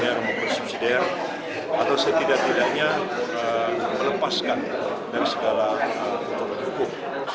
binar mumpung subsidiary atau setidak tidaknya melepaskan dari segala hukum